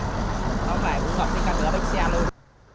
nó không phải cũng gặp cái căn cứa bích xe luôn